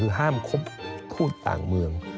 คือห้ามคลุกธูษต่างเมือง